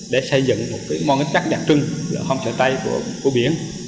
để xây dựng một môn ngân chắc đặc trưng là homestay của biển